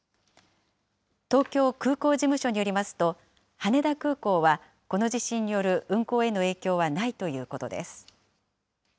東京空港事務所によりますと、羽田空港はこの地震による運航への影響はないということです。